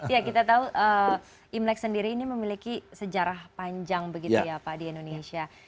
ya kita tahu imlek sendiri ini memiliki sejarah panjang begitu ya pak di indonesia